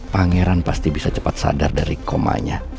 pangeran pasti bisa cepat sadar dari komanya